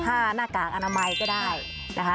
หน้ากากอนามัยก็ได้นะคะ